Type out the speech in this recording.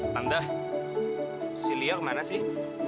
tanda si lia kemana sih